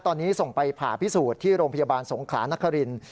ตอนนี้ส่งไปผ่าพิสูจน์ที่โรงพยาบาลสงขลานคริน